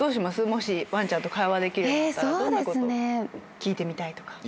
もしワンちゃんと会話できるようになったらどんなこと聞いてみたいとか。